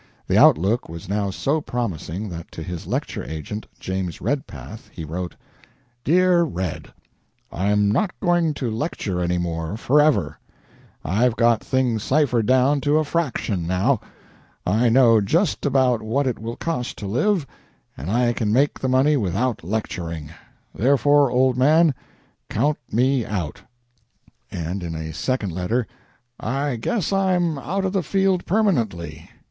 The outlook was now so promising that to his lecture agent, James Redpath, he wrote: "DEAR RED: I'm not going to lecture any more forever. I've got things ciphered down to a fraction now. I know just about what it will cost to live, and I can make the money without lecturing. Therefore, old man, count me out." And in a second letter: "I guess I'm out of the field permanently.